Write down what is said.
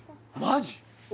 マジ？